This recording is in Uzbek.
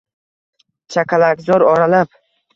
Chakalakzor oralab.